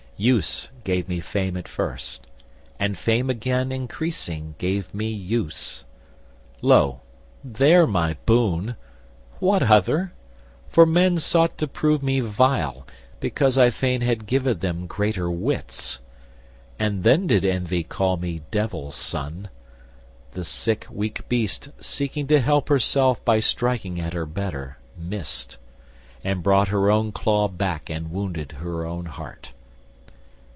Use gave me Fame at first, and Fame again Increasing gave me use. Lo, there my boon! What other? for men sought to prove me vile, Because I fain had given them greater wits: And then did Envy call me Devil's son: The sick weak beast seeking to help herself By striking at her better, missed, and brought Her own claw back, and wounded her own heart.